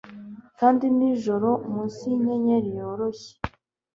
Kandi nijoro munsi yinyenyeri yoroshye